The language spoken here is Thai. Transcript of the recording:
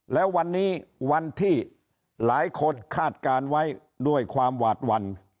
แล้ววันนี้วันที่หลายคนคาดการณ์ไว้ด้วยความหวาดหวั่น